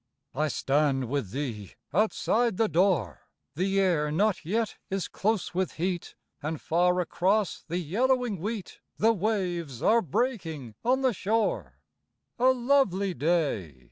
I stand with thee outside the door, The air not yet is close with heat, And far across the yellowing wheat The waves are breaking on the shore. A lovely day!